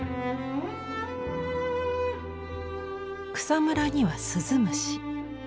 草むらには鈴虫。